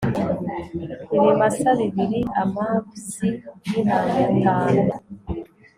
ibimasa bibiri amap zi y intama atanu